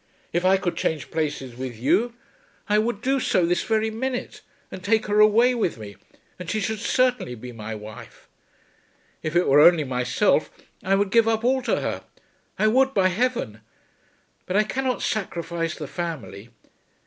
If I could change places with you, I would do so this very minute, and take her away with me, and she should certainly be my wife. If it were only myself, I would give up all to her. I would, by heaven. But I cannot sacrifice the family.